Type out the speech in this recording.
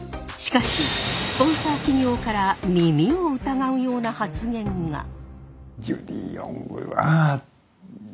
しかしスポンサー企業から耳を疑うような発言が。